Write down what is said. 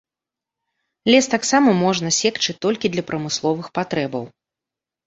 Лес таксама можна секчы толькі для прамысловых патрэбаў.